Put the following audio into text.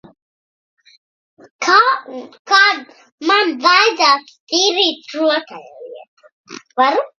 Kā un kad man vajadzētu tīrīt rotaļlietu?